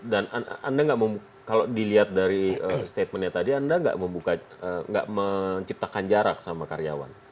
dan anda nggak kalau dilihat dari statementnya tadi anda nggak menciptakan jarak sama karyawan